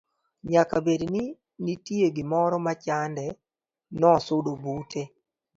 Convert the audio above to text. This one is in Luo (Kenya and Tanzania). nyaka bed ni nitie gimoro machande. nosudo bute